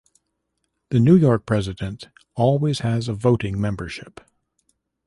The New York President always has a voting membership.